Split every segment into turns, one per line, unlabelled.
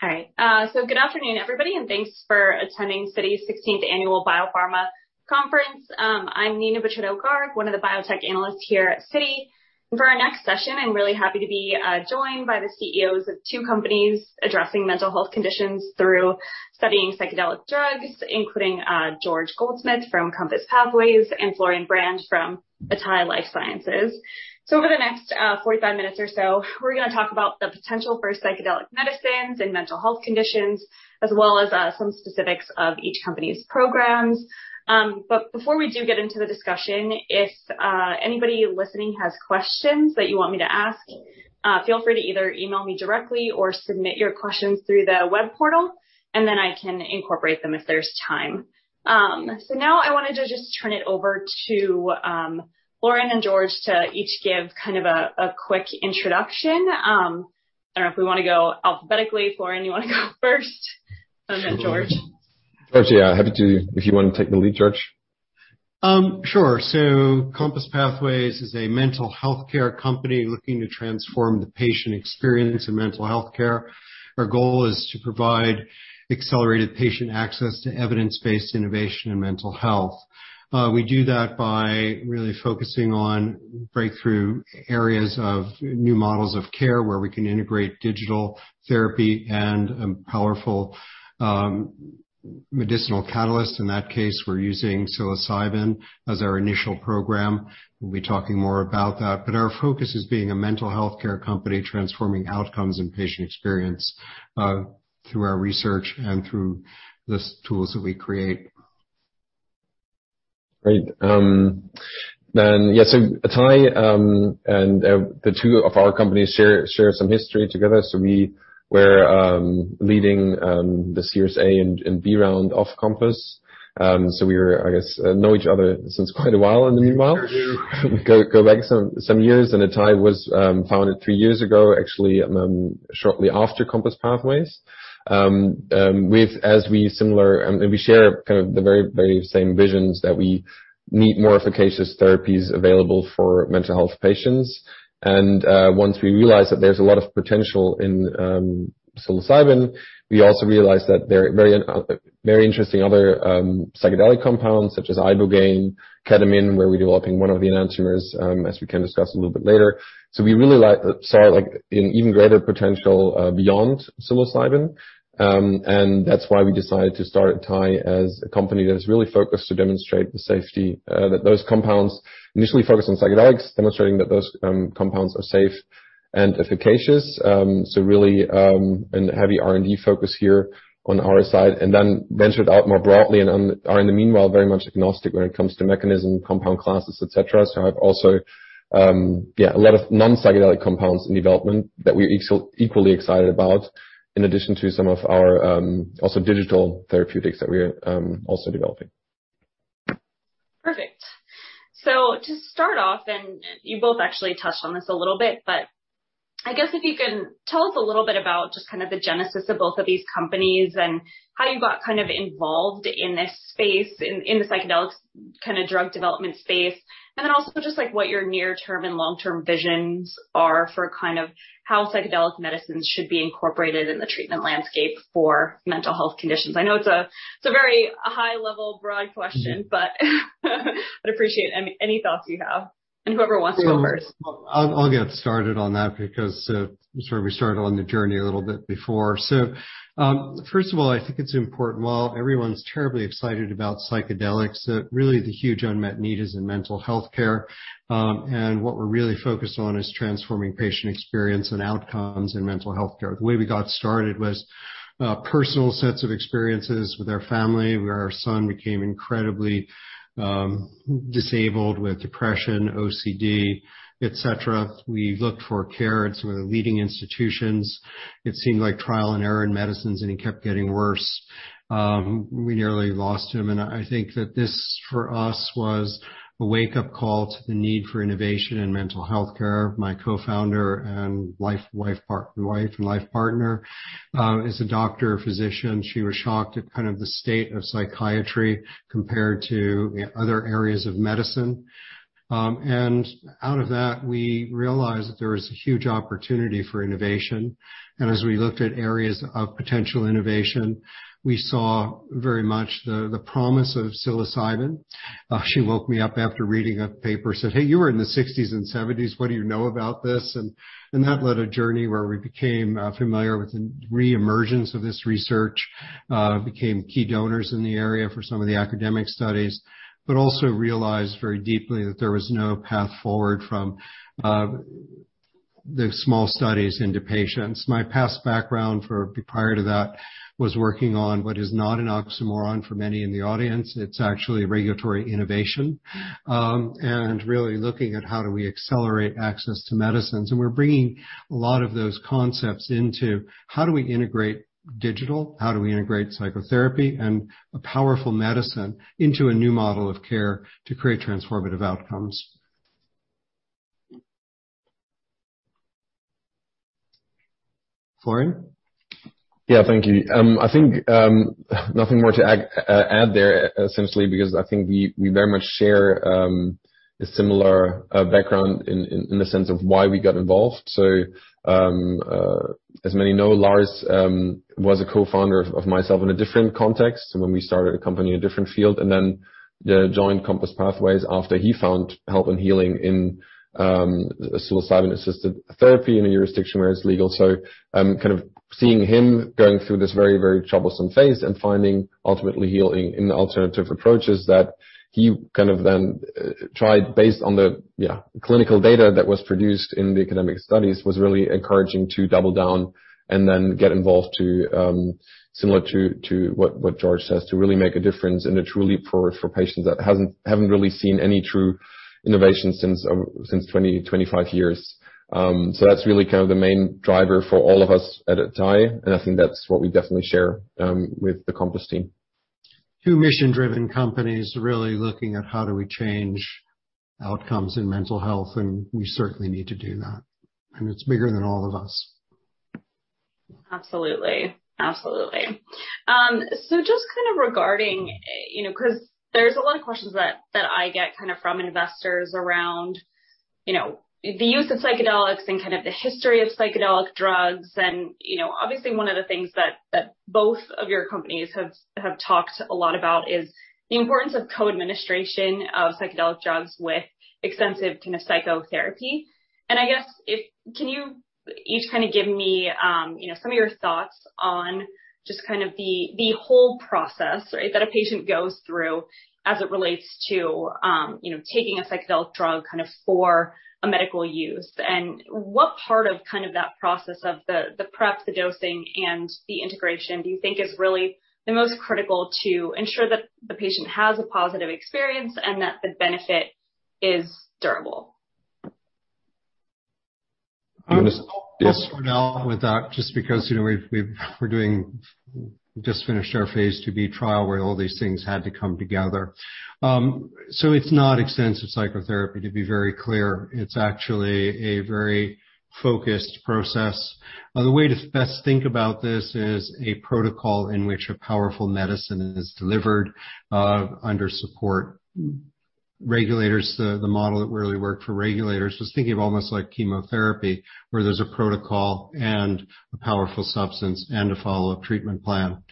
All right. Good afternoon, everybody, and thanks for attending CITI's 16th Annual Biopharma Conference. I'm Neena Bitritto-Garg, one of the biotech analysts here at Citi. For our next session, I'm really happy to be joined by the CEOs of two companies addressing mental health conditions through studying psychedelic drugs, including George Goldsmith from Compass Pathways and Florian Brand from atai Life Sciences. Over the next 45 minutes or so, we're going to talk about the potential for psychedelic medicines and mental health conditions, as well as some specifics of each company's programs. Before we do get into the discussion, if anybody listening has questions that you want me to ask, feel free to either email me directly or submit your questions through the web portal, and then I can incorporate them if there's time. Now I wanted to just turn it over to Florian and George to each give kind of a quick introduction. I do not know if we want to go alphabetically. Florian, you want to go first, and then George.
George, yeah, happy to if you want to take the lead, George.
Sure. Compass Pathways is a mental health care company looking to transform the patient experience in mental health care. Our goal is to provide accelerated patient access to evidence-based innovation in mental health. We do that by really focusing on breakthrough areas of new models of care where we can integrate digital therapy and powerful medicinal catalysts. In that case, we're using psilocybin as our initial program. We'll be talking more about that. Our focus is being a mental health care company transforming outcomes and patient experience through our research and through the tools that we create.
Great. Yeah, atai and the two of our companies share some history together. We were leading the Series A and B round of Compass. We know each other since quite a while in the meanwhile. Go back some years atai was founded three years ago, actually shortly after Compass Pathways. We share kind of the very, very same visions that we need more efficacious therapies available for mental health patients. Once we realized that there's a lot of potential in psilocybin, we also realized that there are very interesting other psychedelic compounds such as ibogaine, ketamine, where we're developing one of the enantiomers, as we can discuss a little bit later. We really saw an even greater potential beyond psilocybin. That is why we decided to start atai as a company that is really focused to demonstrate the safety that those compounds initially focus on psychedelics, demonstrating that those compounds are safe and efficacious. Really a heavy R&D focus here on our side. We ventured out more broadly and are, in the meanwhile, very much agnostic when it comes to mechanism, compound classes, et cetera. I have also, yeah, a lot of non-psychedelic compounds in development that we are equally excited about, in addition to some of our also digital therapeutics that we are also developing.
Perfect. To start off, and you both actually touched on this a little bit, but I guess if you can tell us a little bit about just kind of the genesis of both of these companies and how you got kind of involved in this space, in the psychedelics kind of drug development space, and then also just like what your near-term and long-term visions are for kind of how psychedelic medicines should be incorporated in the treatment landscape for mental health conditions. I know it's a very high-level, broad question, but I'd appreciate any thoughts you have. Whoever wants to go first.
I'll get started on that because we started on the journey a little bit before. First of all, I think it's important. While everyone's terribly excited about psychedelics, really the huge unmet need is in mental health care. What we're really focused on is transforming patient experience and outcomes in mental health care. The way we got started was a personal sense of experiences with our family. Our son became incredibly disabled with depression, OCD, et cetera. We looked for care at some of the leading institutions. It seemed like trial and error in medicines, and it kept getting worse. We nearly lost him. I think that this for us was a wake-up call to the need for innovation in mental health care. My co-founder and life partner is a doctor, a physician. She was shocked at kind of the state of psychiatry compared to other areas of medicine. Out of that, we realized that there was a huge opportunity for innovation. As we looked at areas of potential innovation, we saw very much the promise of psilocybin. She woke me up after reading a paper, said, "Hey, you were in the 1960s and 1970s. What do you know about this?" That led a journey where we became familiar with the re-emergence of this research, became key donors in the area for some of the academic studies, but also realized very deeply that there was no path forward from the small studies into patients. My past background prior to that was working on what is not an oxymoron for many in the audience. It's actually regulatory innovation and really looking at how do we accelerate access to medicines. We are bringing a lot of those concepts into how do we integrate digital, how do we integrate psychotherapy and a powerful medicine into a new model of care to create transformative outcomes. Florian?
Yeah, thank you. I think nothing more to add there, essentially, because I think we very much share a similar background in the sense of why we got involved. As many know, Lars was a co-founder of myself in a different context when we started a company in a different field, and then joined Compass Pathways after he found help and healing in a psilocybin-assisted therapy in a jurisdiction where it is legal. Kind of seeing him going through this very, very troublesome phase and finding ultimately healing in alternative approaches that he then tried based on the clinical data that was produced in the academic studies was really encouraging to double down and then get involved similar to what George says to really make a difference in a true leap forward for patients that have not really seen any true innovation since 20, 25 years. That's really kind of the main driver for all of us at atai. I think that's what we definitely share with the Compass team.
Two mission-driven companies really looking at how do we change outcomes in mental health. We certainly need to do that. It is bigger than all of us.
Absolutely. Just kind of regarding because there's a lot of questions that I get kind of from investors around the use of psychedelics and kind of the history of psychedelic drugs. Obviously, one of the things that both of your companies have talked a lot about is the importance of co-administration of psychedelic drugs with extensive kind of psychotherapy. I guess, can you each kind of give me some of your thoughts on just kind of the whole process that a patient goes through as it relates to taking a psychedelic drug kind of for a medical use? What part of kind of that process of the prep, the dosing, and the integration do you think is really the most critical to ensure that the patient has a positive experience and that the benefit is durable?
I'm going to start out with that just because we're doing just finished our phase II B trial where all these things had to come together. It's not extensive psychotherapy, to be very clear. It's actually a very focused process. The way to best think about this is a protocol in which a powerful medicine is delivered under support. Regulators, the model that really worked for regulators was thinking of almost like chemotherapy where there's a protocol and a powerful substance and a follow-up treatment plan.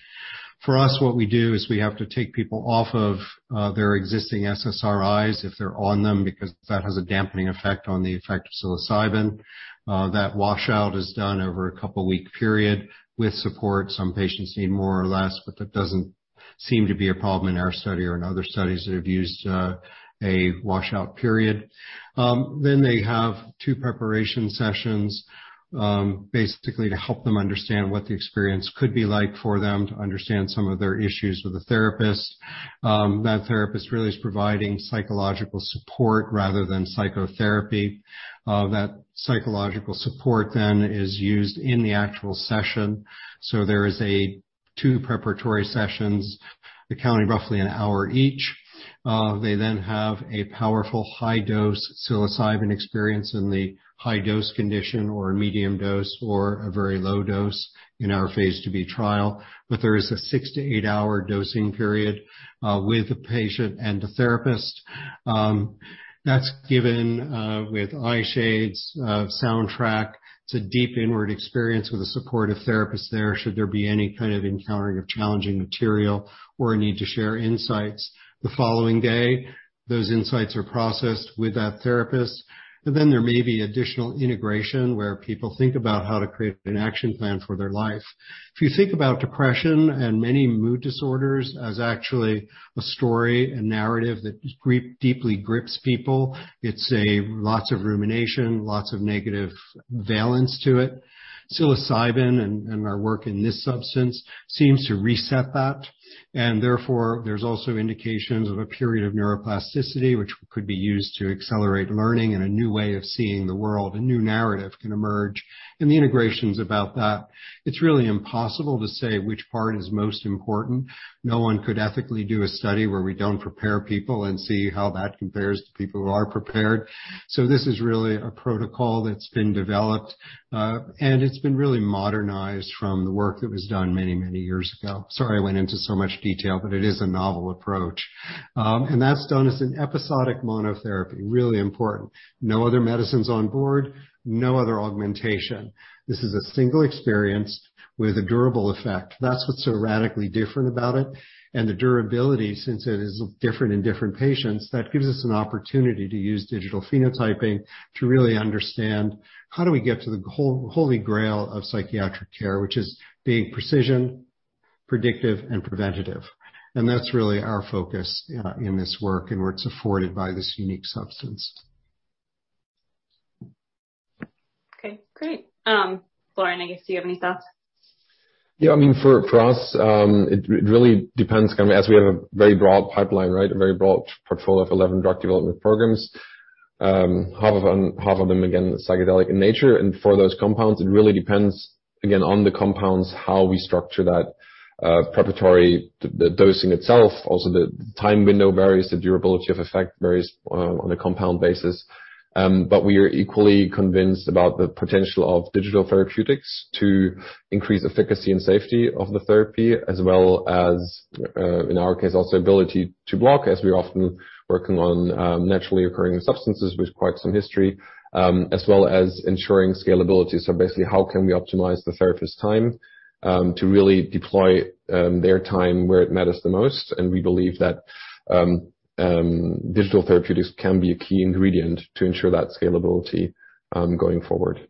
For us, what we do is we have to take people off of their existing SSRIs if they're on them because that has a dampening effect on the effect of psilocybin. That washout is done over a couple-week period with support. Some patients need more or less, but that doesn't seem to be a problem in our study or in other studies that have used a washout period. They have two preparation sessions basically to help them understand what the experience could be like for them, to understand some of their issues with the therapist. That therapist really is providing psychological support rather than psychotherapy. That psychological support then is used in the actual session. There are two preparatory sessions accounting roughly an hour each. They then have a powerful high-dose psilocybin experience in the high-dose condition or medium dose or a very low dose in our phase II B trial. There is a six- to eight-hour dosing period with the patient and the therapist. That's given with eye shades, soundtrack. It's a deep inward experience with a supportive therapist there should there be any kind of encountering of challenging material or a need to share insights. The following day, those insights are processed with that therapist. There may be additional integration where people think about how to create an action plan for their life. If you think about depression and many mood disorders as actually a story and narrative that deeply grips people, it's lots of rumination, lots of negative valence to it. Psilocybin and our work in this substance seems to reset that. Therefore, there's also indications of a period of neuroplasticity, which could be used to accelerate learning and a new way of seeing the world. A new narrative can emerge. The integration's about that. It's really impossible to say which part is most important. No one could ethically do a study where we do not prepare people and see how that compares to people who are prepared. This is really a protocol that has been developed, and it has been really modernized from the work that was done many, many years ago. Sorry, I went into so much detail, but it is a novel approach. That is done as an episodic monotherapy, really important. No other medicines on board, no other augmentation. This is a single experience with a durable effect. That is what is so radically different about it. The durability, since it is different in different patients, gives us an opportunity to use digital phenotyping to really understand how we get to the holy grail of psychiatric care, which is being precision, predictive, and preventative. That is really our focus in this work and where it is afforded by this unique substance.
Okay. Great. Florian, I guess, do you have any thoughts?
Yeah. I mean, for us, it really depends kind of as we have a very broad pipeline, right, a very broad portfolio of 11 drug development programs. Half of them, again, psychedelic in nature. For those compounds, it really depends, again, on the compounds, how we structure that preparatory dosing itself. Also, the time window varies. The durability of effect varies on a compound basis. We are equally convinced about the potential of digital therapeutics to increase efficacy and safety of the therapy, as well as, in our case, also ability to block, as we're often working on naturally occurring substances with quite some history, as well as ensuring scalability. Basically, how can we optimize the therapist's time to really deploy their time where it matters the most? We believe that digital therapeutics can be a key ingredient to ensure that scalability going forward.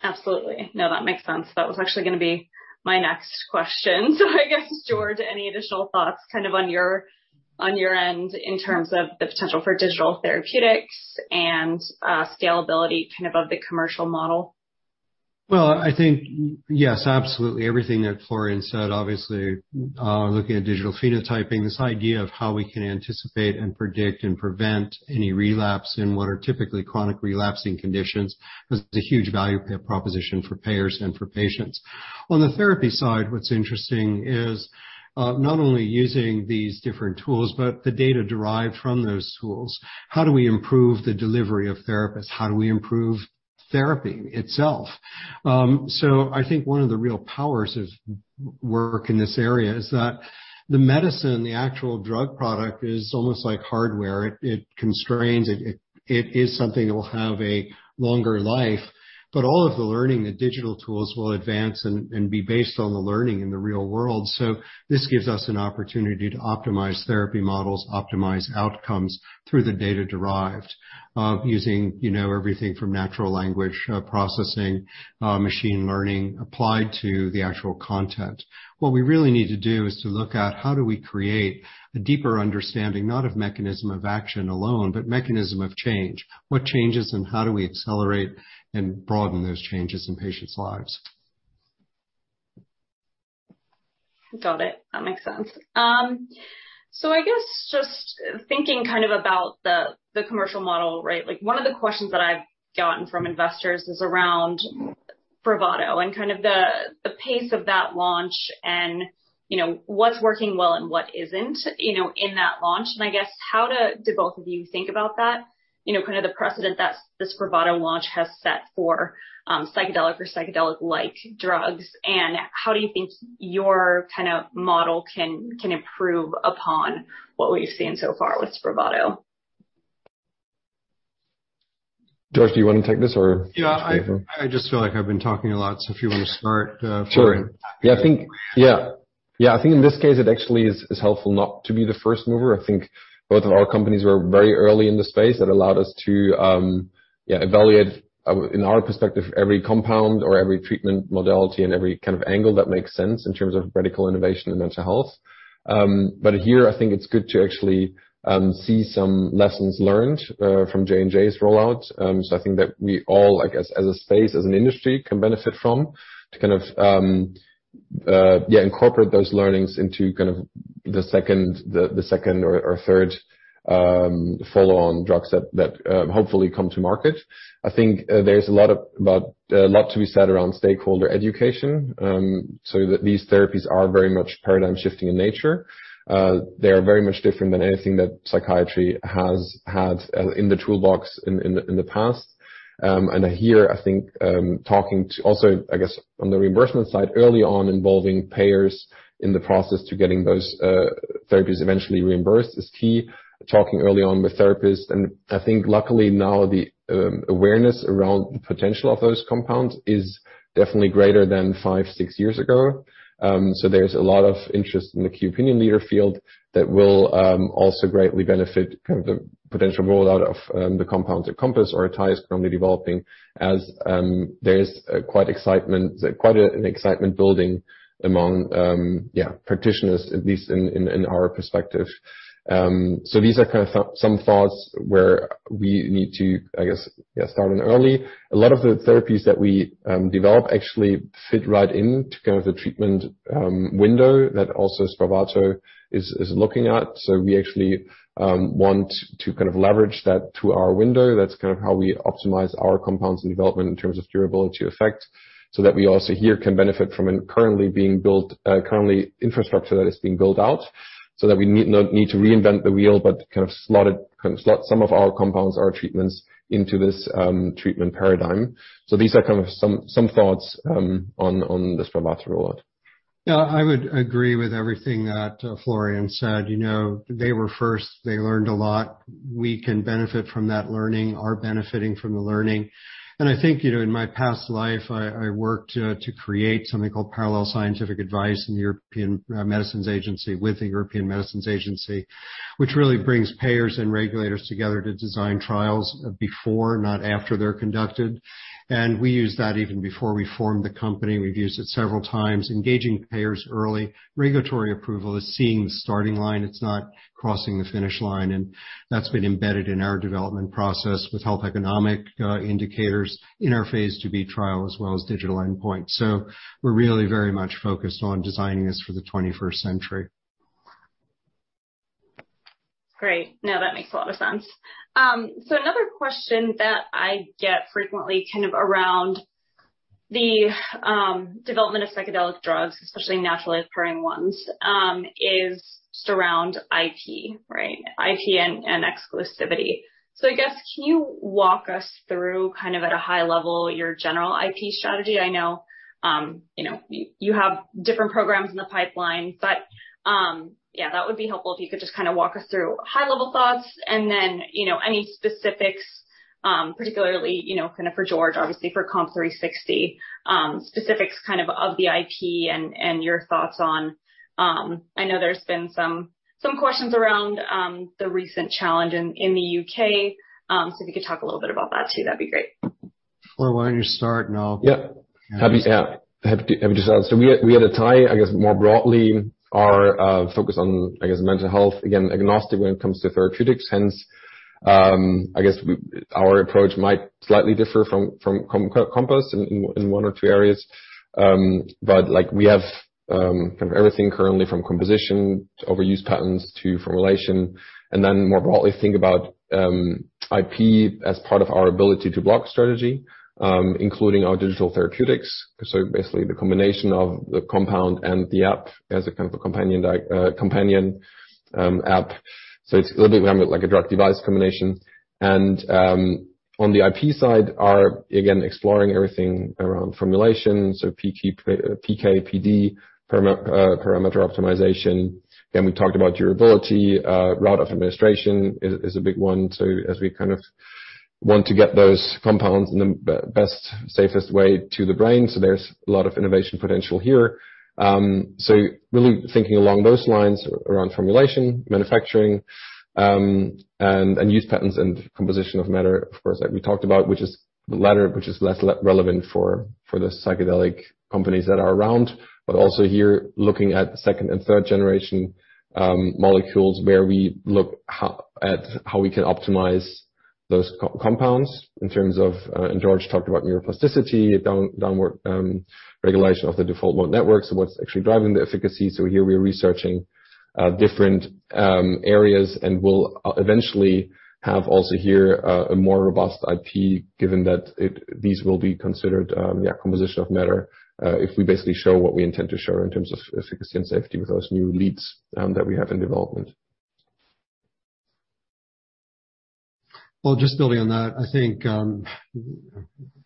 Absolutely. No, that makes sense. That was actually going to be my next question. I guess, George, any additional thoughts kind of on your end in terms of the potential for digital therapeutics and scalability kind of of the commercial model?
I think, yes, absolutely. Everything that Florian said, obviously, looking at digital phenotyping, this idea of how we can anticipate and predict and prevent any relapse in what are typically chronic relapsing conditions is a huge value proposition for payers and for patients. On the therapy side, what's interesting is not only using these different tools, but the data derived from those tools. How do we improve the delivery of therapists? How do we improve therapy itself? I think one of the real powers of work in this area is that the medicine, the actual drug product, is almost like hardware. It constrains. It is something that will have a longer life. All of the learning, the digital tools will advance and be based on the learning in the real world. This gives us an opportunity to optimize therapy models, optimize outcomes through the data derived using everything from natural language processing, machine learning applied to the actual content. What we really need to do is to look at how do we create a deeper understanding, not of mechanism of action alone, but mechanism of change. What changes and how do we accelerate and broaden those changes in patients' lives?
Got it. That makes sense. I guess just thinking kind of about the commercial model, right, one of the questions that I've gotten from investors is around Spravato and kind of the pace of that launch and what's working well and what isn't in that launch. I guess, how do both of you think about that, kind of the precedent that this Spravato launch has set for psychedelic or psychedelic-like drugs? How do you think your kind of model can improve upon what we've seen so far with Spravato?
George, do you want to take this or?
Yeah. I just feel like I've been talking a lot, so if you want to start, Florian.
Sure. Yeah. I think, yeah. I think in this case, it actually is helpful not to be the first mover. I think both of our companies were very early in the space that allowed us to evaluate, in our perspective, every compound or every treatment modality and every kind of angle that makes sense in terms of medical innovation and mental health. Here, I think it's good to actually see some lessons learned from J&J's rollout. I think that we all, I guess, as a space, as an industry, can benefit from to kind of, yeah, incorporate those learnings into kind of the second or third follow-on drugs that hopefully come to market. I think there's a lot to be said around stakeholder education. These therapies are very much paradigm-shifting in nature. They are very much different than anything that psychiatry has had in the toolbox in the past. I think talking to also, I guess, on the reimbursement side, early on involving payers in the process to getting those therapies eventually reimbursed is key. Talking early on with therapists. I think, luckily, now the awareness around the potential of those compounds is definitely greater than five, six years ago. There is a lot of interest in the key opinion leader field that will also greatly benefit kind of the potential rollout of the compounds that Compass or atai is currently developing as there is quite an excitement building among, yeah, practitioners, at least in our perspective. These are kind of some thoughts where we need to, I guess, start in early. A lot of the therapies that we develop actually fit right into kind of the treatment window that also Spravato is looking at. We actually want to kind of leverage that to our window. That's kind of how we optimize our compounds and development in terms of durability effect so that we also here can benefit from currently infrastructure that is being built out so that we need to reinvent the wheel, but kind of slot some of our compounds, our treatments into this treatment paradigm. These are kind of some thoughts on the Spravato rollout.
Yeah. I would agree with everything that Florian said. They were first. They learned a lot. We can benefit from that learning, are benefiting from the learning. I think in my past life, I worked to create something called Parallel Scientific Advice in the European Medicines Agency with the European Medicines Agency, which really brings payers and regulators together to design trials before, not after they're conducted. We use that even before we formed the company. We've used it several times, engaging payers early. Regulatory approval is seeing the starting line. It's not crossing the finish line. That's been embedded in our development process with health economic indicators in our phase II B trial as well as digital endpoint. We're really very much focused on designing this for the 21st century.
Great. Now that makes a lot of sense. Another question that I get frequently kind of around the development of psychedelic drugs, especially naturally occurring ones, is around IP, right, IP and exclusivity. I guess, can you walk us through kind of at a high level your general IP strategy? I know you have different programs in the pipeline, but yeah, that would be helpful if you could just kind of walk us through high-level thoughts and then any specifics, particularly kind of for George, obviously, for COMP360, specifics kind of of the IP and your thoughts on I know there's been some questions around the recent challenge in the U.K. If you could talk a little bit about that too, that'd be great.
Where were you starting off?
Yeah. Yeah. Have you decided? We at atai, I guess, more broadly are focused on, I guess, mental health, again, agnostic when it comes to therapeutics. Hence, I guess our approach might slightly differ from Compass in one or two areas. We have kind of everything currently from composition, overuse patterns to formulation. More broadly, think about IP as part of our ability to block strategy, including our digital therapeutics. Basically, the combination of the compound and the app as a kind of companion app. It's a little bit like a drug-device combination. On the IP side, we are again exploring everything around formulation of PK/PD, parameter optimization. Again, we talked about durability, route of administration is a big one. As we kind of want to get those compounds in the best, safest way to the brain, there's a lot of innovation potential here. Really thinking along those lines around formulation, manufacturing, and use patterns and composition of matter, of course, like we talked about, which is the latter, which is less relevant for the psychedelic companies that are around. Also here, looking at second- and third-generation molecules where we look at how we can optimize those compounds in terms of, and George talked about neuroplasticity, downward regulation of the default mode networks, so what's actually driving the efficacy. Here, we are researching different areas and will eventually have also here a more robust IP, given that these will be considered composition of matter if we basically show what we intend to show in terms of efficacy and safety with those new leads that we have in development.
Just building on that, I think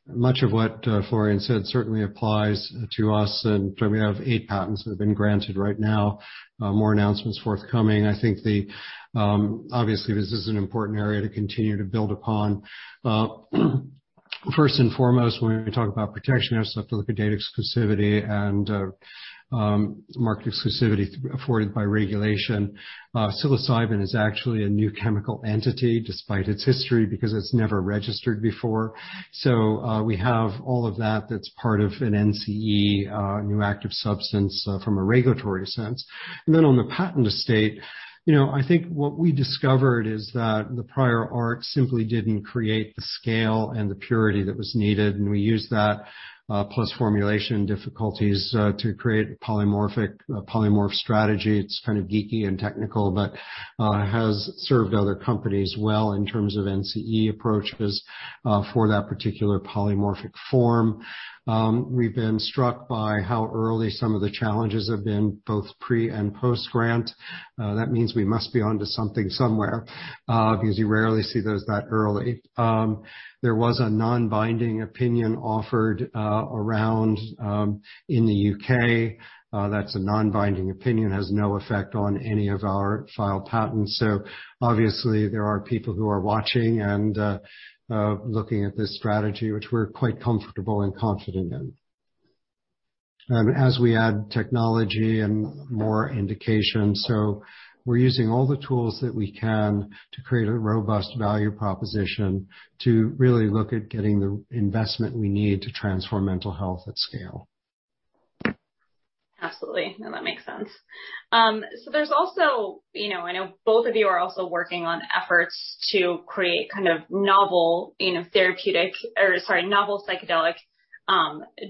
much of what Florian said certainly applies to us. We have eight patents that have been granted right now. More announcements forthcoming. I think obviously, this is an important area to continue to build upon. First and foremost, when we talk about protection, we have stuff to look at data exclusivity and market exclusivity afforded by regulation. Psilocybin is actually a new chemical entity despite its history because it's never registered before. We have all of that that's part of an NCE, a new active substance from a regulatory sense. Then on the patent estate, I think what we discovered is that the prior art simply didn't create the scale and the purity that was needed. We used that plus formulation difficulties to create a polymorphic strategy. It's kind of geeky and technical, but has served other companies well in terms of NCE approaches for that particular polymorphic form. We've been struck by how early some of the challenges have been, both pre and post-grant. That means we must be onto something somewhere because you rarely see those that early. There was a non-binding opinion offered around in the U.K. That's a non-binding opinion. It has no effect on any of our filed patents. Obviously, there are people who are watching and looking at this strategy, which we're quite comfortable and confident in. As we add technology and more indications, we're using all the tools that we can to create a robust value proposition to really look at getting the investment we need to transform mental health at scale.
Absolutely. Now, that makes sense. There is also, I know both of you are also working on efforts to create kind of novel therapeutic or, sorry, novel psychedelic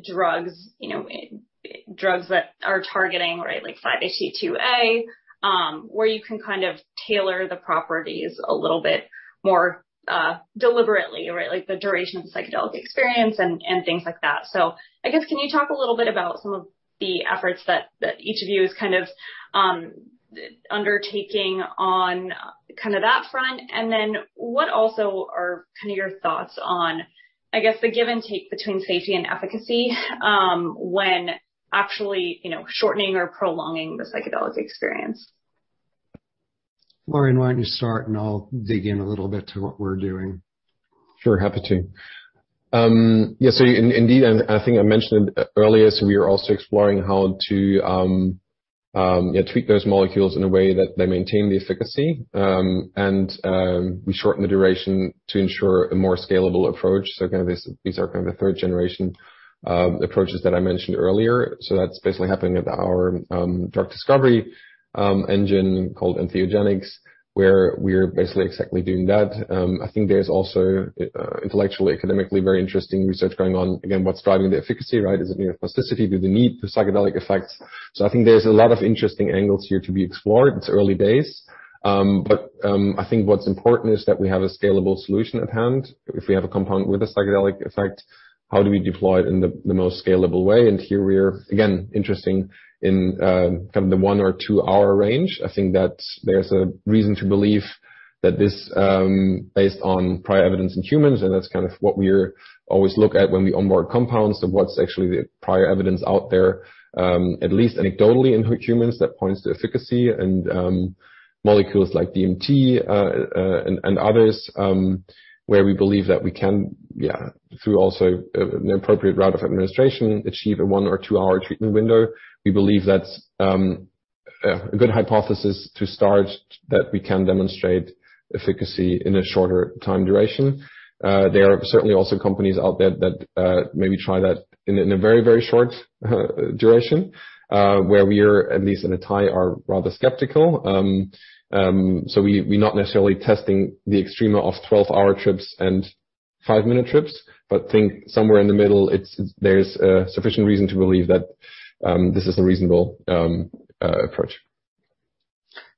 drugs, drugs that are targeting, right, like 5-HT2A, where you can kind of tailor the properties a little bit more deliberately, right, like the duration of the psychedelic experience and things like that. I guess, can you talk a little bit about some of the efforts that each of you is kind of undertaking on kind of that front? What also are kind of your thoughts on, I guess, the give and take between safety and efficacy when actually shortening or prolonging the psychedelic experience?
Florian, why don't you start, and I'll dig in a little bit to what we're doing.
Sure. Happy to. Yeah. I think I mentioned earlier, we are also exploring how to treat those molecules in a way that they maintain the efficacy. We shorten the duration to ensure a more scalable approach. These are kind of the third-generation approaches that I mentioned earlier. That's basically happening at our drug discovery engine called Entheogenics, where we're basically exactly doing that. I think there's also intellectually, academically, very interesting research going on. Again, what's driving the efficacy, right? Is it neuroplasticity? Do they need the psychedelic effects? I think there's a lot of interesting angles here to be explored. It's early days. I think what's important is that we have a scalable solution at hand. If we have a compound with a psychedelic effect, how do we deploy it in the most scalable way? Here, we're, again, interesting in kind of the one or two-hour range. I think that there's a reason to believe that this is based on prior evidence in humans. That's kind of what we always look at when we onboard compounds. What's actually the prior evidence out there, at least anecdotally in humans, that points to efficacy and molecules like DMT and others where we believe that we can, yeah, through also an appropriate route of administration, achieve a one or two-hour treatment window. We believe that's a good hypothesis to start that we can demonstrate efficacy in a shorter time duration. There are certainly also companies out there that maybe try that in a very, very short duration where we are, at least at atai, are rather skeptical. We're not necessarily testing the extrema of 12-hour trips and 5-minute trips, but think somewhere in the middle, there's sufficient reason to believe that this is a reasonable approach.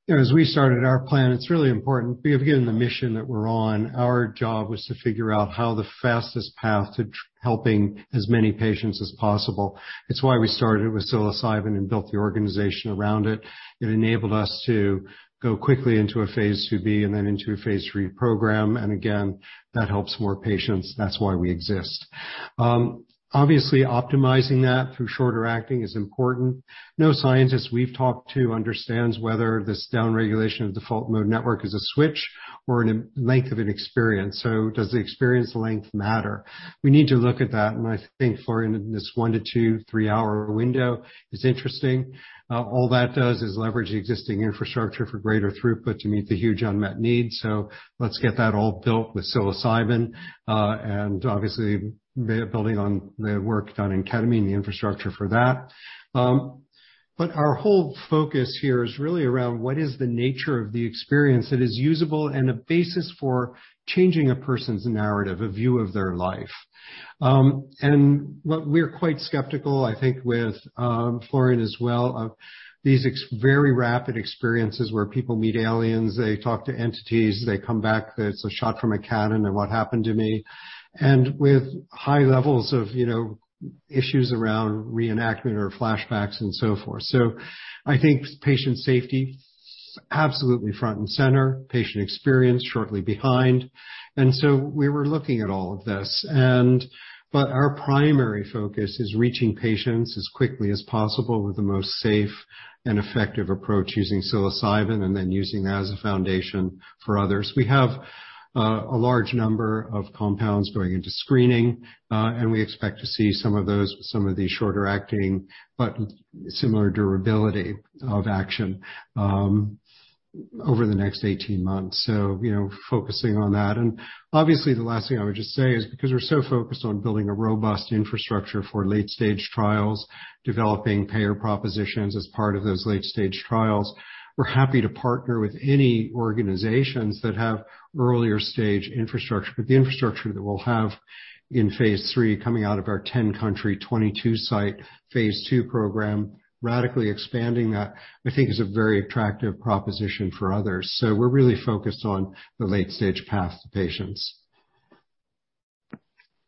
Yeah. As we started our plan, it's really important. We have, given the mission that we're on. Our job was to figure out how the fastest path to helping as many patients as possible. It's why we started with psilocybin and built the organization around it. It enabled us to go quickly into a phase II B and then into a phase III program. That helps more patients. That's why we exist. Obviously, optimizing that through shorter acting is important. No scientist we've talked to understands whether this downregulation of the default mode network is a switch or a length of an experience. Does the experience length matter? We need to look at that. I think, Florian, in this one to two, three-hour window, it's interesting. All that does is leverage the existing infrastructure for greater throughput to meet the huge unmet need. Let's get that all built with psilocybin and obviously building on the work done in ketamine, the infrastructure for that. Our whole focus here is really around what is the nature of the experience that is usable and a basis for changing a person's narrative, a view of their life. We're quite skeptical, I think, with Florian as well, of these very rapid experiences where people meet aliens, they talk to entities, they come back, it's a shot from a cannon, and what happened to me, and with high levels of issues around reenactment or flashbacks and so forth. I think patient safety, absolutely front and center, patient experience shortly behind. We were looking at all of this. Our primary focus is reaching patients as quickly as possible with the most safe and effective approach using psilocybin and then using that as a foundation for others. We have a large number of compounds going into screening, and we expect to see some of those, some of these shorter acting, but similar durability of action over the next 18 months. Focusing on that. Obviously, the last thing I would just say is because we're so focused on building a robust infrastructure for late-stage trials, developing payer propositions as part of those late-stage trials, we're happy to partner with any organizations that have earlier stage infrastructure. The infrastructure that we'll have in phase III coming out of our 10-country, 22-site phase II program, radically expanding that, I think is a very attractive proposition for others. We're really focused on the late-stage path to patients.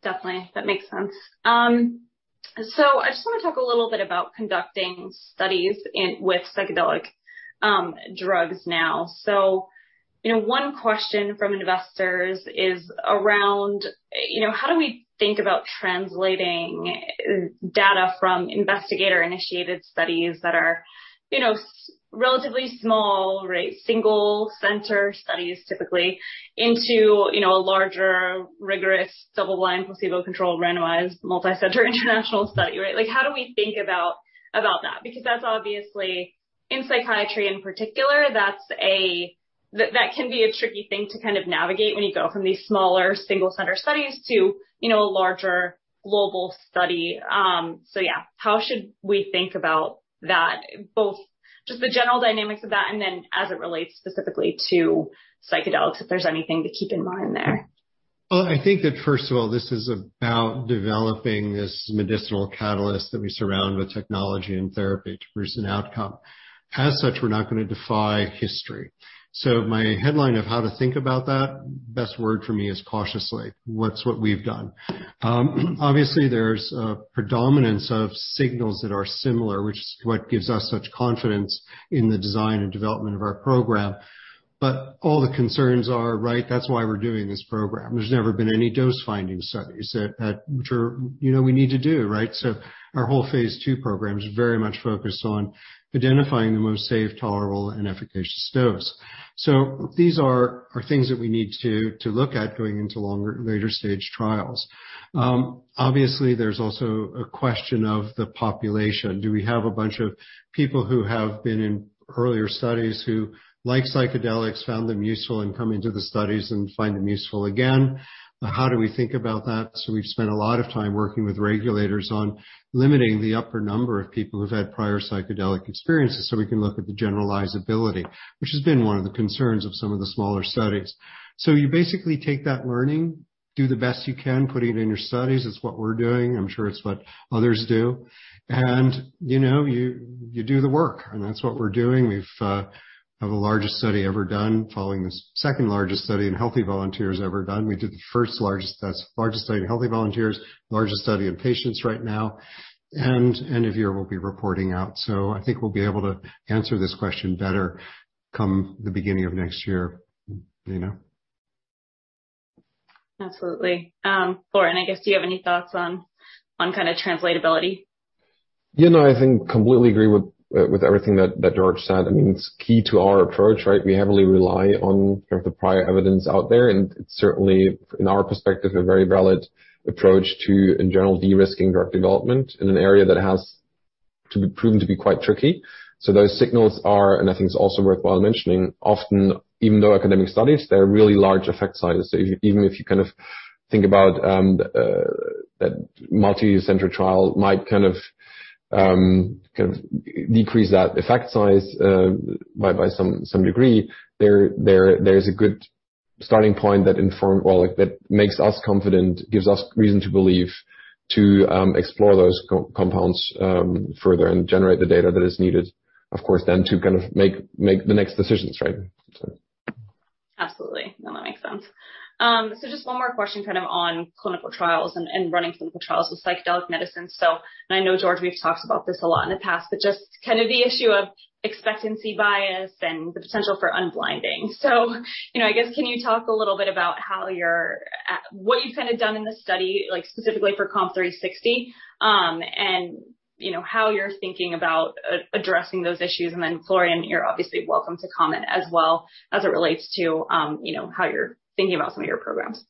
Definitely. That makes sense. I just want to talk a little bit about conducting studies with psychedelic drugs now. One question from investors is around how do we think about translating data from investigator-initiated studies that are relatively small, right, single-center studies typically into a larger, rigorous, double-blind, placebo-controlled, randomized, multicenter international study, right? How do we think about that? Because that's obviously in psychiatry in particular, that can be a tricky thing to kind of navigate when you go from these smaller single-center studies to a larger global study. Yeah, how should we think about that, both just the general dynamics of that and then as it relates specifically to psychedelics, if there's anything to keep in mind there?
I think that first of all, this is about developing this medicinal catalyst that we surround with technology and therapy to produce an outcome. As such, we're not going to defy history. My headline of how to think about that, best word for me is cautiously. What's what we've done? Obviously, there's a predominance of signals that are similar, which is what gives us such confidence in the design and development of our program. All the concerns are, right, that's why we're doing this program. There's never been any dose-finding studies which we need to do, right? Our whole phase II program is very much focused on identifying the most safe, tolerable, and efficacious dose. These are things that we need to look at going into longer and later-stage trials. Obviously, there's also a question of the population. Do we have a bunch of people who have been in earlier studies who like psychedelics, found them useful and come into the studies and find them useful again? How do we think about that? We have spent a lot of time working with regulators on limiting the upper number of people who have had prior psychedelic experiences so we can look at the generalizability, which has been one of the concerns of some of the smaller studies. You basically take that learning, do the best you can, put it in your studies. It is what we are doing. I am sure it is what others do. You do the work. That is what we are doing. We have the largest study ever done following the second largest study in healthy volunteers ever done. We did the first largest study in healthy volunteers, largest study in patients right now. End of year, we'll be reporting out. I think we'll be able to answer this question better come the beginning of next year.
Absolutely. Florian, I guess, do you have any thoughts on kind of translatability?
Yeah. No, I think completely agree with everything that George said. I mean, it's key to our approach, right? We heavily rely on the prior evidence out there. It's certainly, in our perspective, a very valid approach to, in general, de-risking drug development in an area that has proven to be quite tricky. Those signals are, and I think it's also worthwhile mentioning, often, even though academic studies, they're really large effect sizes. Even if you kind of think about that multicenter trial might kind of decrease that effect size by some degree, there's a good starting point that makes us confident, gives us reason to believe to explore those compounds further and generate the data that is needed, of course, then to kind of make the next decisions, right?
Absolutely. No, that makes sense. Just one more question kind of on clinical trials and running clinical trials with psychedelic medicine. I know, George, we've talked about this a lot in the past, but just kind of the issue of expectancy bias and the potential for unblinding. I guess, can you talk a little bit about what you've kind of done in the study, specifically for COMP360, and how you're thinking about addressing those issues? Florian, you're obviously welcome to comment as well as it relates to how you're thinking about some of your programs.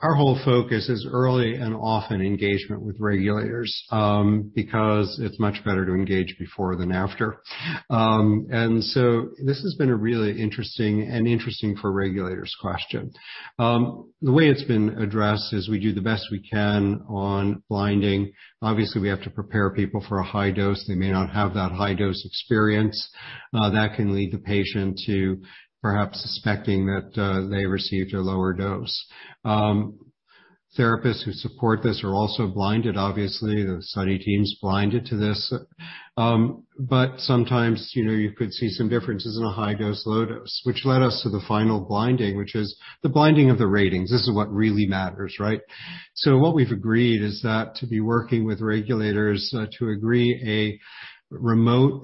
Our whole focus is early and often engagement with regulators because it's much better to engage before than after. This has been a really interesting and interesting for regulators question. The way it's been addressed is we do the best we can on blinding. Obviously, we have to prepare people for a high dose. They may not have that high-dose experience. That can lead the patient to perhaps suspecting that they received a lower dose. Therapists who support this are also blinded, obviously. The study team's blinded to this. Sometimes you could see some differences in a high dose, low dose, which led us to the final blinding, which is the blinding of the ratings. This is what really matters, right? What we've agreed is that to be working with regulators to agree a remote,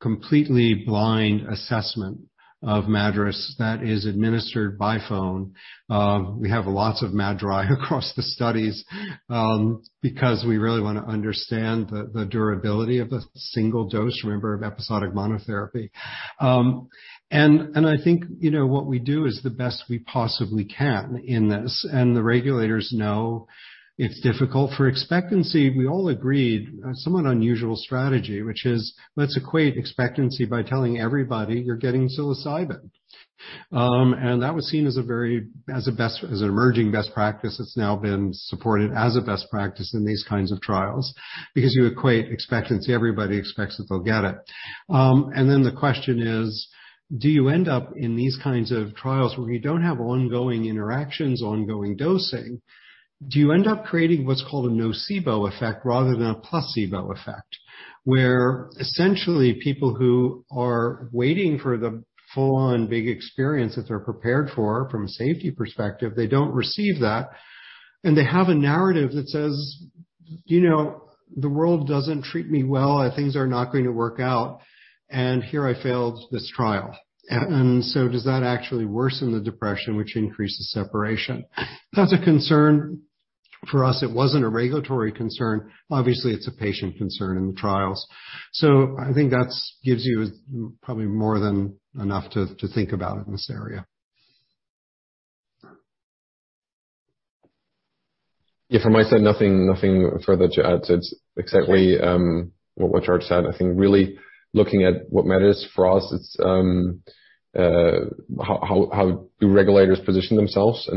completely blind assessment of MADRS that is administered by phone. We have lots of MADRS across the studies because we really want to understand the durability of a single dose, remember, of episodic monotherapy. I think what we do is the best we possibly can in this. The regulators know it's difficult for expectancy. We all agreed on somewhat unusual strategy, which is let's equate expectancy by telling everybody you're getting psilocybin. That was seen as a best, as an emerging best practice. It's now been supported as a best practice in these kinds of trials because you equate expectancy. Everybody expects that they'll get it. The question is, do you end up in these kinds of trials where you don't have ongoing interactions, ongoing dosing? Do you end up creating what's called a nocebo effect rather than a placebo effect where essentially people who are waiting for the full-on big experience that they're prepared for from a safety perspective, they don't receive that. They have a narrative that says, "The world doesn't treat me well. Things are not going to work out. And here I failed this trial." Does that actually worsen the depression, which increases separation? That's a concern for us. It wasn't a regulatory concern. Obviously, it's a patient concern in the trials. I think that gives you probably more than enough to think about in this area.
Yeah. From my side, nothing further to add except what George said. I think really looking at what matters for us, it's how do regulators position themselves.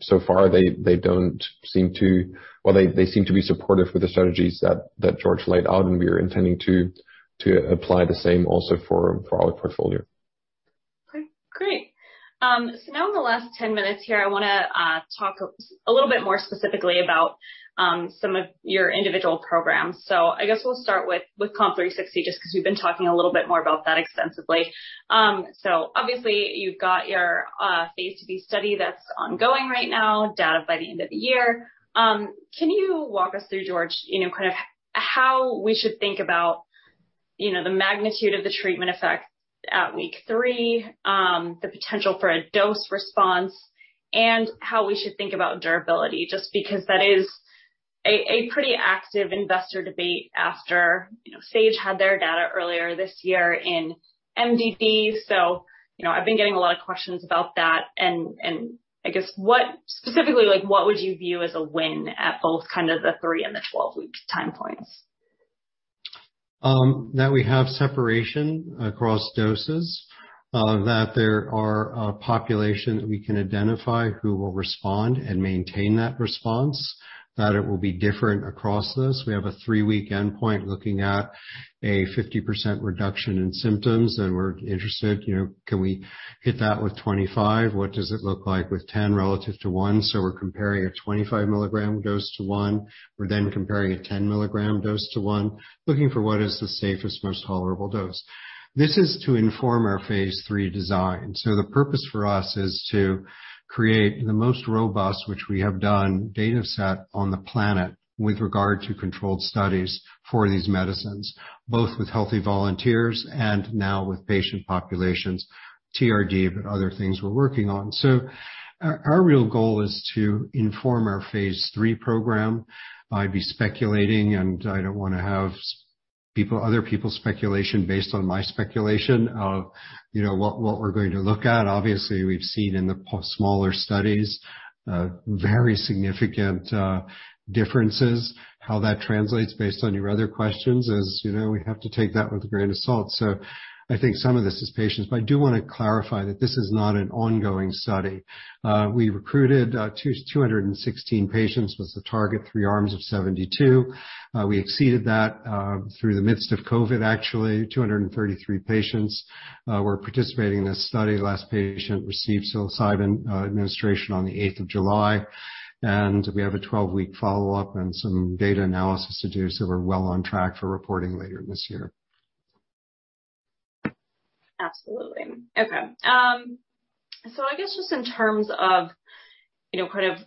So far, they don't seem to, well, they seem to be supportive with the strategies that George laid out. We are intending to apply the same also for our portfolio.
Okay. Great. Now in the last 10 minutes here, I want to talk a little bit more specifically about some of your individual programs. I guess we'll start with COMP360 just because we've been talking a little bit more about that extensively. Obviously, you've got your phase II B study that's ongoing right now, data by the end of the year. Can you walk us through, George, kind of how we should think about the magnitude of the treatment effect at week three, the potential for a dose response, and how we should think about durability just because that is a pretty active investor debate after Sage had their data earlier this year in MDD. I've been getting a lot of questions about that. I guess specifically, what would you view as a win at both kind of the 3-week and the 12-week time points?
That we have separation across doses, that there are a population that we can identify who will respond and maintain that response, that it will be different across this. We have a 3-week endpoint looking at a 50% reduction in symptoms. And we're interested, can we hit that with 25? What does it look like with 10 relative to 1? So we're comparing a 25 mg dose to 1. We're then comparing a 10 mg dose to 1, looking for what is the safest, most tolerable dose. This is to inform our phase III design. The purpose for us is to create the most robust, which we have done, data set on the planet with regard to controlled studies for these medicines, both with healthy volunteers and now with patient populations, TRD, but other things we're working on. Our real goal is to inform our phase III program. I'd be speculating, and I don't want to have other people's speculation based on my speculation of what we're going to look at. Obviously, we've seen in the smaller studies very significant differences. How that translates based on your other questions is we have to take that with a grain of salt. I think some of this is patients. I do want to clarify that this is not an ongoing study. We recruited 216 patients with the target three arms of 72. We exceeded that through the midst of COVID, actually. 233 patients were participating in this study. Last patient received psilocybin administration on the 8th of July. We have a 12-week follow-up and some data analysis to do. We are well on track for reporting later this year.
Absolutely. Okay. I guess just in terms of kind of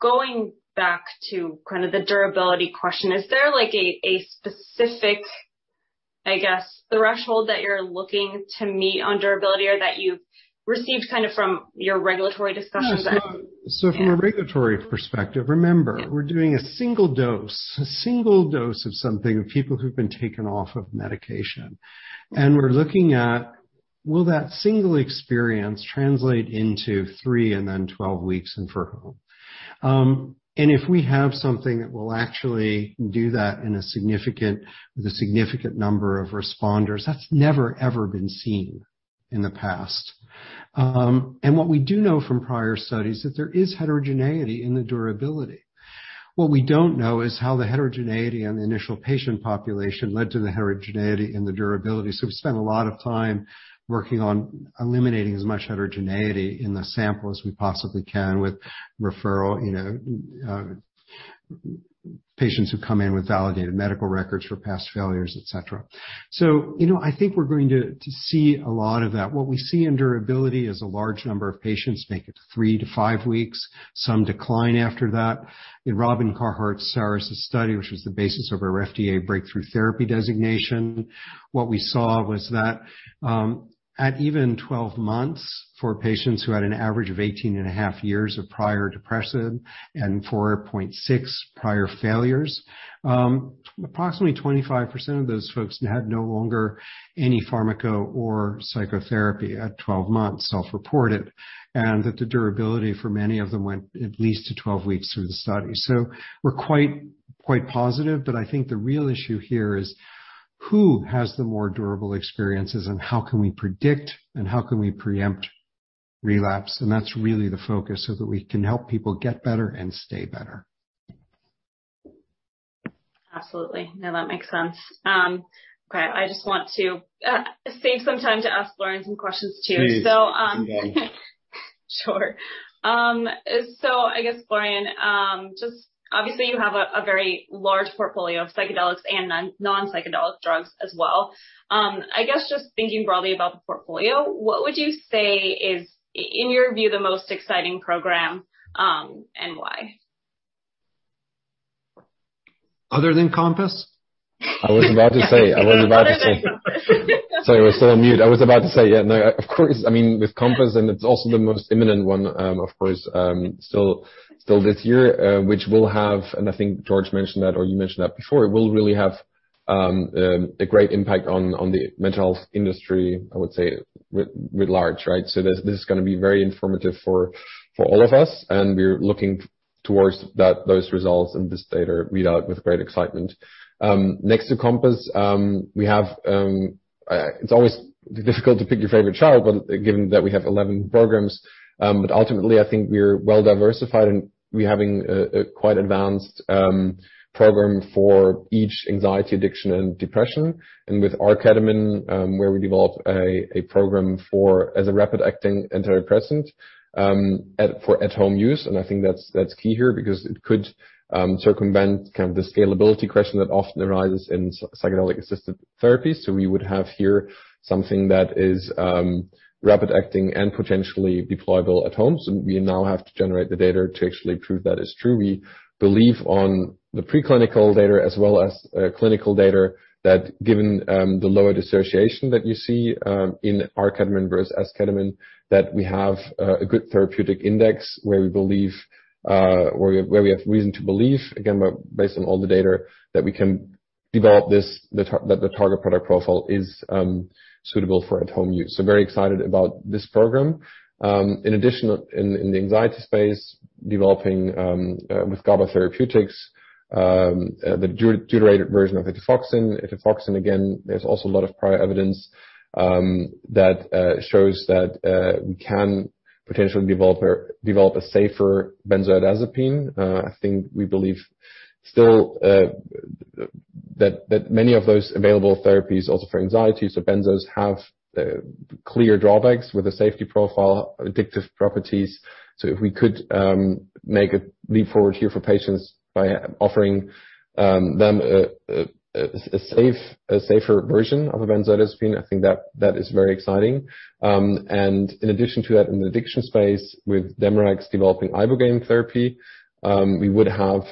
going back to kind of the durability question, is there a specific, I guess, threshold that you're looking to meet on durability or that you've received kind of from your regulatory discussions?
From a regulatory perspective, remember, we're doing a single dose, a single dose of something of people who've been taken off of medication. We're looking at, will that single experience translate into 3 and then 12 weeks and for whom? If we have something that will actually do that with a significant number of responders, that's never, ever been seen in the past. What we do know from prior studies is that there is heterogeneity in the durability. What we don't know is how the heterogeneity in the initial patient population led to the heterogeneity in the durability. We spent a lot of time working on eliminating as much heterogeneity in the sample as we possibly can with referral, patients who come in with validated medical records for past failures, etc. I think we're going to see a lot of that. What we see in durability is a large number of patients make it 3 weeks-5 weeks. Some decline after that. In Robin Carhart-Harris's study, which was the basis of our FDA Breakthrough Therapy Designation, what we saw was that at even 12 months for patients who had an average of 18 and a half years of prior depressive and 4.6 prior failures, approximately 25% of those folks had no longer any pharmaco or psychotherapy at 12 months, self-reported, and that the durability for many of them went at least to 12 weeks through the study. We are quite positive. I think the real issue here is who has the more durable experiences and how can we predict and how can we preempt relapse? That is really the focus so that we can help people get better and stay better.
Absolutely. No, that makes sense. Okay. I just want to save some time to askFlorian some questions too.
Please.
Sure. I guess, Lauren, just obviously, you have a very large portfolio of psychedelics and non-psychedelic drugs as well. I guess just thinking broadly about the portfolio, what would you say is, in your view, the most exciting program and why?
Other than Compass?
I was about to say. I was about to say. Sorry, I was still on mute. I was about to say, yeah. No, of course. I mean, with Compass, and it is also the most imminent one, of course, still this year, which will have—and I think George mentioned that or you mentioned that before—it will really have a great impact on the mental health industry, I would say, writ large, right? This is going to be very informative for all of us. We are looking towards those results and this data readout with great excitement. Next to Compass, we have—it is always difficult to pick your favorite child, but given that we have 11 programs. Ultimately, I think we are well diversified, and we are having a quite advanced program for each anxiety, addiction, and depression. With Arketamin, where we develop a program as a rapid-acting antidepressant for at-home use. I think that's key here because it could circumvent kind of the scalability question that often arises in psychedelic-assisted therapies. We would have here something that is rapid-acting and potentially deployable at home. We now have to generate the data to actually prove that is true. We believe on the preclinical data as well as clinical data that, given the lower dissociation that you see in Arketamin versus Esketamine, we have a good therapeutic index where we believe, where we have reason to believe, again, based on all the data, that we can develop the target product profile is suitable for at-home use. Very excited about this program. In addition, in the anxiety space, developing with GABA Therapeutics, the deuterated version of Etifoxine. Etifoxine, again, there's also a lot of prior evidence that shows that we can potentially develop a safer benzodiazepine. I think we believe still that many of those available therapies also for anxiety. Benzos have clear drawbacks with a safety profile, addictive properties. If we could make a leap forward here for patients by offering them a safer version of a benzodiazepine, I think that is very exciting. In addition to that, in the addiction space, with DemeRx developing Ibogaine therapy, we would have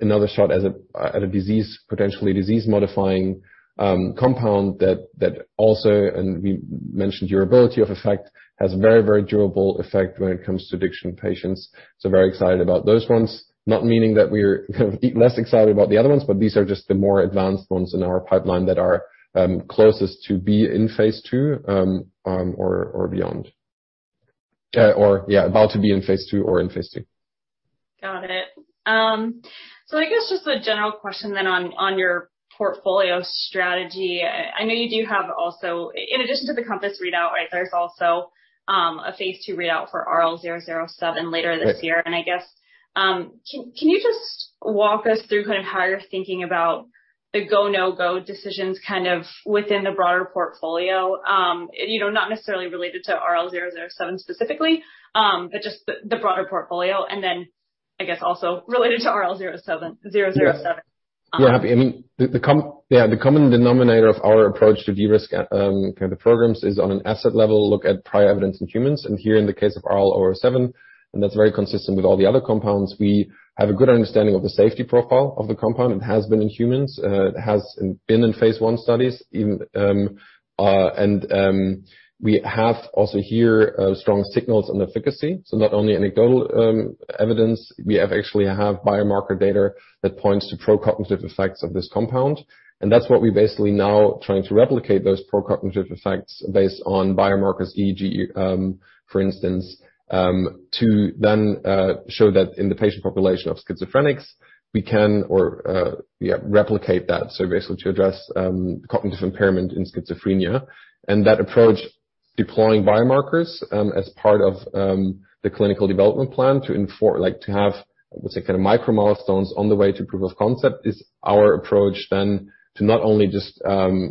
another shot at a potentially disease-modifying compound that also, and we mentioned durability of effect, has a very, very durable effect when it comes to addiction patients. Very excited about those ones. Not meaning that we're less excited about the other ones, but these are just the more advanced ones in our pipeline that are closest to be in phase II or beyond, or yeah, about to be in phase II or in phase III.
Got it. I guess just a general question then on your portfolio strategy. I know you do have also, in addition to the Compass readout, right, there is also a phase II readout for RL-007 later this year. I guess can you just walk us through kind of how you are thinking about the go, no-go decisions kind of within the broader portfolio, not necessarily related to RL-007 specifically, but just the broader portfolio, and then I guess also related to RL-007?
Yeah. I mean, the common denominator of our approach to de-risk kind of the programs is on an asset level, look at prior evidence in humans. Here in the case of RL-007, and that's very consistent with all the other compounds, we have a good understanding of the safety profile of the compound. It has been in humans. It has been in phase I studies. We have also here strong signals on efficacy. Not only anecdotal evidence, we actually have biomarker data that points to pro-cognitive effects of this compound. That's what we're basically now trying to replicate, those pro-cognitive effects based on biomarkers, e.g., for instance, to then show that in the patient population of schizophrenics, we can replicate that. Basically to address cognitive impairment in schizophrenia. That approach, deploying biomarkers as part of the clinical development plan to have, I would say, kind of micro milestones on the way to proof of concept, is our approach then to not only just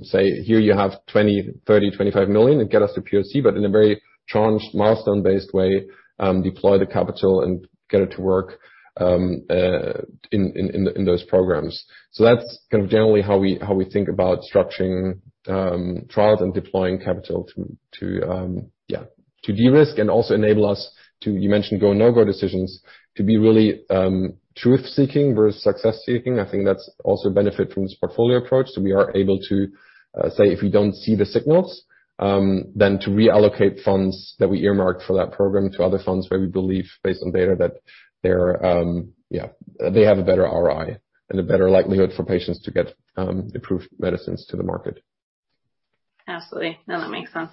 say, "Here, you have $20 million, $30 million, $25 million," and get us to POC, but in a very challenged milestone-based way, deploy the capital and get it to work in those programs. That is kind of generally how we think about structuring trials and deploying capital to de-risk and also enable us to, you mentioned go, no-go decisions, to be really truth-seeking versus success-seeking. I think that's also a benefit from this portfolio approach, that we are able to say, if we don't see the signals, then to reallocate funds that we earmarked for that program to other funds where we believe, based on data, that they have a better ROI and a better likelihood for patients to get approved medicines to the market.
Absolutely. No, that makes sense.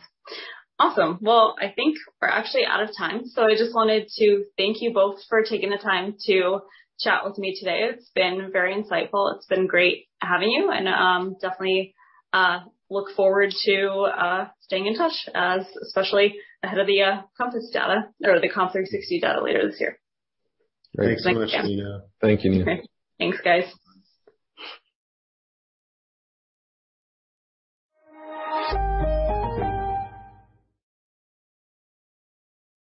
Awesome. I think we're actually out of time. I just wanted to thank you both for taking the time to chat with me today. It's been very insightful. It's been great having you. I definitely look forward to staying in touch, especially ahead of the Compass data or the COMP360 data later this year.
Thanks so much, Nina.
Thank you, Neena.
Thanks, guys.